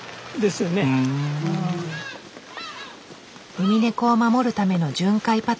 ウミネコを守るための巡回パトロール。